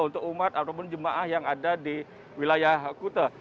untuk umat ataupun jemaah yang ada di wilayah kuta